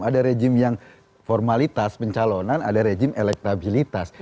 ada rejim yang formalitas pencalonan ada rejim elektabilitas